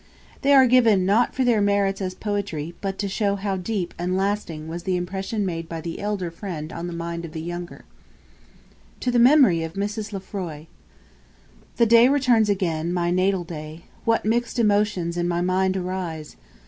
They are given, not for their merits as poetry, but to show how deep and lasting was the impression made by the elder friend on the mind of the younger: TO THE MEMORY OF MRS. LEFROY. 1. The day returns again, my natal day; What mix'd emotions in my mind arise!